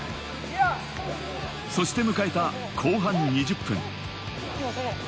そして迎えた後半２０分。